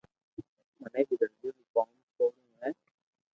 مني بي درزو رون ڪوم سوڙووو ھي